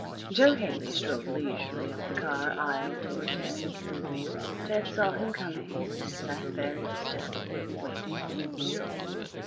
Jo Haley strolled leisurely up the car aisle toward Ted. Ted saw him coming and sat very still, waiting.